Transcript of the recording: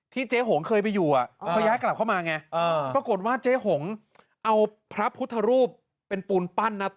เจ๊หงเคยไปอยู่เขาย้ายกลับเข้ามาไงปรากฏว่าเจ๊หงเอาพระพุทธรูปเป็นปูนปั้นนะ